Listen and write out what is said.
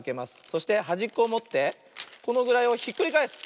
そしてはじっこをもってこのぐらいをひっくりがえす。